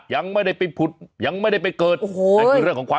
เยอะมากเลยนะ